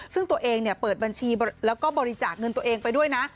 ซึ่งตัวเองเปิดบัญชีแล้วก็บริจาคเงินตัวเองไปด้วยนะ